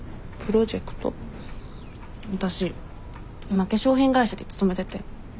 今化粧品会社に勤めてて。